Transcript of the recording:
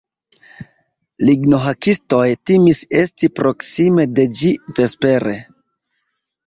Lignohakistoj timis esti proksime de ĝi vespere.